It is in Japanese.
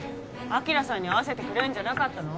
晶さんに会わせてくれるんじゃなかったの？